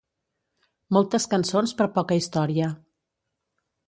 Moltes cançons per poca història.